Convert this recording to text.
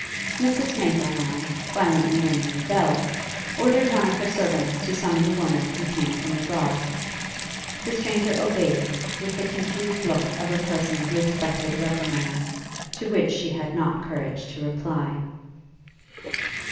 Mrs Maple now, violently ringing the bell, ordered one of her servants to summon the woman who came from abroad. The stranger obeyed, with the confused look of a person who expected a reprimand, to which she had not courage to reply.